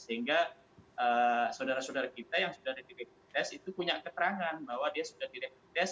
sehingga saudara saudara kita yang sudah ada di rapid test itu punya keterangan bahwa dia sudah direpid test